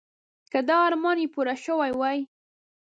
که دا ارمان یې پوره شوی وای.